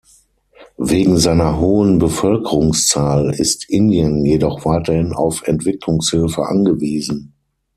Wegen seiner hohen Bevölkerungszahl ist Indien jedoch weiterhin auf Entwicklungshilfe angewiesen.